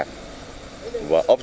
và ốp dụng lực lượng công an